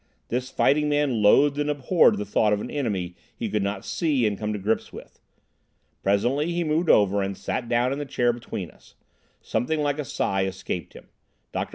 This fighting man loathed and abhorred the thought of an enemy he could not see and come to grips with. Presently he moved over and sat down in the chair between us. Something like a sigh escaped him. Dr.